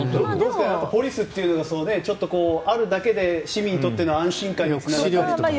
ポリスっていうのがあるだけで市民にとっての安心感につながったりとか。